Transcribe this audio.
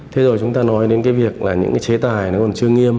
thế rồi chúng ta nói đến cái việc là những cái chế tài nó còn chưa nghiêm